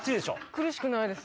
苦しくないです。